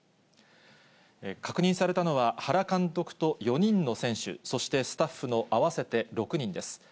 確認されたのは、原監督と４人の選手、そしてスタッフの合わせて６人です。